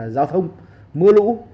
giao thông mưa lũ